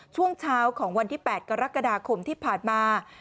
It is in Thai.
ช่วงเช้าของวันที่๘กรกฎาคมที่ผ่านมา